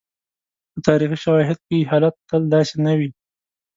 خو تاریخي شواهد ښيي، حالت تل داسې نه وي.